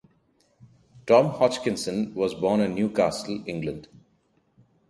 Tom Hodgkinson was born in Newcastle, England.